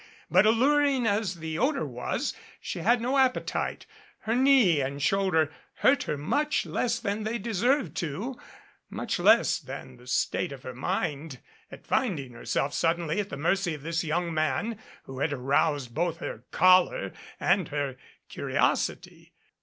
But, alluring as the odor was, she had no appetite. Her knee and shoulder hurt her much less than they deserved to, much less than the state of her mind at finding herself suddenly at the mercy of this young man who had aroused both her choler and her curiosity.